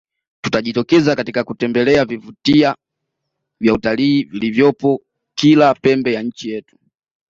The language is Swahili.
Tutajitokeza katika kutembelea vivutia vya utalii vilivyopo kila pembe ya nchi yetu